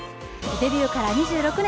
デビューから２６年。